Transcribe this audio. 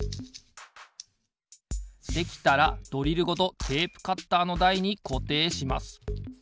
できたらドリルごとテープカッターのだいにこていします。